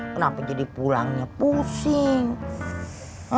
kenapa jadi pulangnya puyengnya